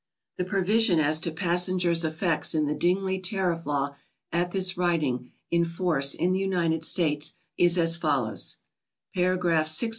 The provision as to passengers' effects in the Dingley tariff law at this writing an force in the United States is as follows: Paragraph 697.